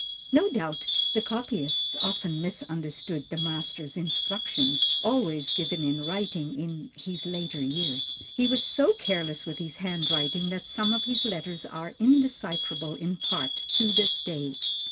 No doubt the copyists often misunderstood the master's instructions, always given in writing in his later years. He was so careless with his handwriting that some of his letters are undecipherable in part, to this day.